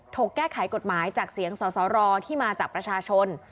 แก้ไขกฎหมายจากเสียงสสรที่มาจากประชาชน